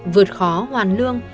vượt khó hoàn lương